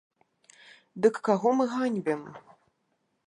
Дык каго мы ганьбім?